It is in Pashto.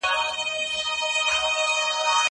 قلم وکاروه!؟